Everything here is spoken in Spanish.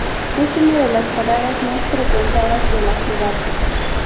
Es una de las paradas más frecuentadas de la ciudad.